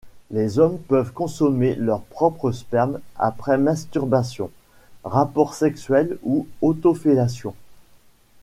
Les hommes peuvent consommer leur propre sperme après masturbation, rapport sexuel ou autofellation.